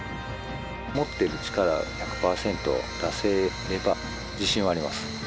持っている力を１００％出せれば自信はあります。